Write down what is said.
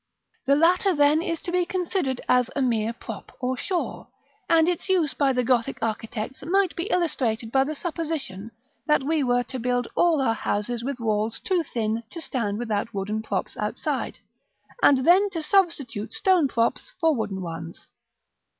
This latter, then, is to be considered as a mere prop or shore, and its use by the Gothic architects might be illustrated by the supposition that we were to build all our houses with walls too thin to stand without wooden props outside, and then to substitute stone props for wooden ones.